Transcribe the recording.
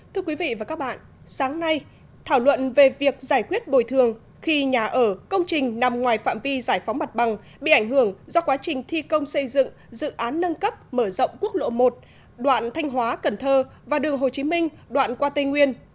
thưa quý vị và các bạn sáng nay thảo luận về việc giải quyết bồi thường khi nhà ở công trình nằm ngoài phạm vi giải phóng mặt bằng bị ảnh hưởng do quá trình thi công xây dựng dự án nâng cấp mở rộng quốc lộ một đoạn thanh hóa cần thơ và đường hồ chí minh đoạn qua tây nguyên